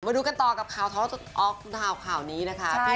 มาดูกันต่อกับข่าวท้อทท้องทหารข่าวนี้นะคะ